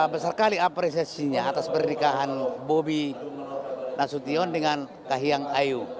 besar kali apresiasinya atas pernikahan bobi nasution dengan kahiyang ayu